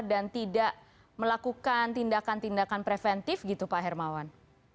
dan tidak melakukan tindakan tindakan preventif pak hermawan